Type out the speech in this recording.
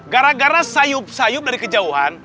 gara gara sayup sayup dari kejauhan